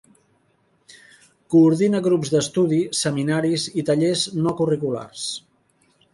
Coordina grups d'estudi, seminaris i tallers no curriculars.